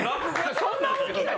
そんな大きないよ！